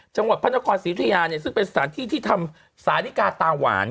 จังหวัดพระนครศรีธุยาเนี่ยซึ่งเป็นสถานที่ที่ทำสาธิกาตาหวาน